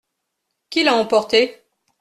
Qui l’a emporté ?